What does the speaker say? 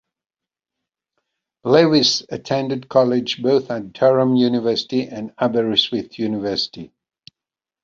Lewis attended college both at Durham University and Aberystwyth University.